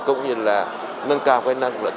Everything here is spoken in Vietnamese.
cũng như là nâng cao năng lượng